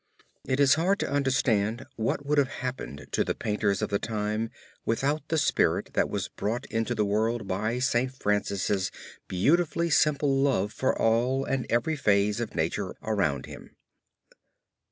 It is hard to understand what would have happened to the painters of the time without the spirit that was brought into the world by St. Francis' beautifully simple love for all and every phase of nature around him.